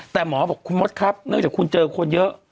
แต่หมอบอกคุณมดครับเนื่องจากคุณเจอคนเยอะ